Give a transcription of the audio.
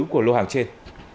của lô hàng trên